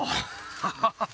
ハハハハ！